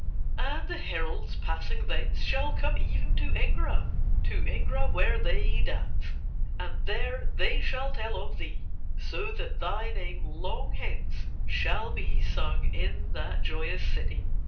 "'And the heralds passing thence shall come even to Ingra, to Ingra where they dance. And there they shall tell of thee, so that thy name long hence shall be sung in that joyous city.